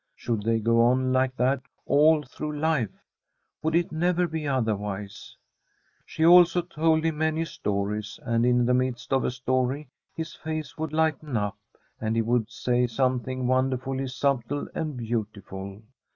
Should they go on like that all through life ? Would it never be otherwise ? She also told him many stories, and in the midst of a story his face would lighten up, and he would sav something wonderfully subtle and beautiful.